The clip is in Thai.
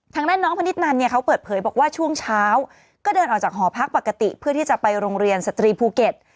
ทางด้านน้องพนิดนันเนี่ยเขาเปิดเผยบอกว่าช่วงเช้าก็เดินออกจากหอพักปกติเพื่อที่จะไปโรงเรียนสตรีภูเก็ต